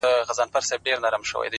هغې ويل په پوري هـديــره كي ښخ دى ،